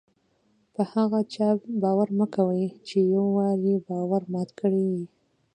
په هغه چا باور مه کوئ! چي یو وار ئې باور مات کړى يي.